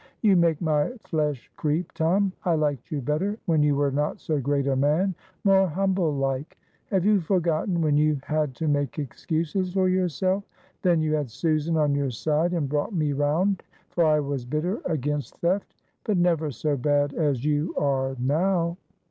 "You make my flesh creep, Tom. I liked you better when you were not so great a man, more humble like; have you forgotten when you had to make excuses for yourself; then you had Susan on your side and brought me round, for I was bitter against theft; but never so bad as you are now."